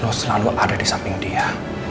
itu selalu ada di samping dia